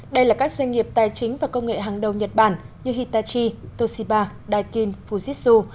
đây là các doanh nghiệp tài chính và công nghệ hàng đầu nhật bản như hitachi toshiba daikin fujitsu